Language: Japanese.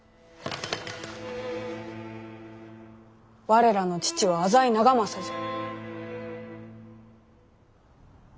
我らの父は浅井長政じゃ。